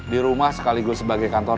di rumah sekaligus sebagai kantor